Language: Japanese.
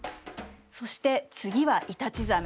そして次はイタチザメ。